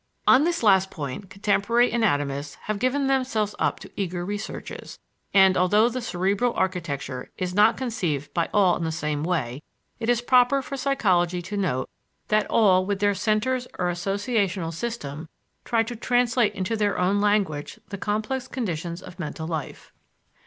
On this last point contemporary anatomists have given themselves up to eager researches, and, although the cerebral architecture is not conceived by all in the same way, it is proper for psychology to note that all with their "centers" or "associational system" try to translate into their own language the complex conditions of mental life.